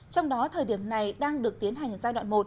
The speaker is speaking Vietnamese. trong đó thời điểm này đang được tiến hành giai đoạn một